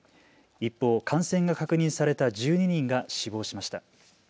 一方、感染が確認された１２人が死亡しました。